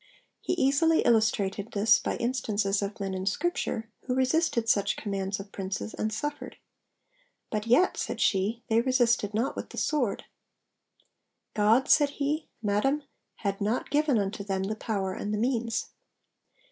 He easily illustrated this by instances of men in Scripture, who resisted such commands of Princes, and suffered. 'But yet,' said she, 'they resisted not with the sword.' 'God,' said he, 'Madam, had not given unto them the power and the means.'